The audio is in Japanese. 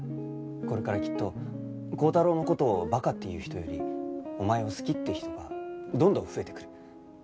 これからきっと高太郎の事をバカって言う人よりお前を好きって人がどんどん増えてくる。